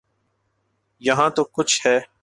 یہاں تو کچھ ہے۔